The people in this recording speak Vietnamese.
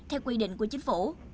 theo quy định của chính phủ